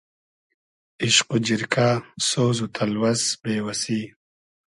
ایشق و جیرکۂ سۉز و تئلوئس بې وئسی